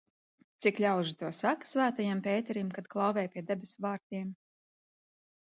Cik ļaužu to saka Svētajam Pēterim, kad klauvē pie debesu vārtiem?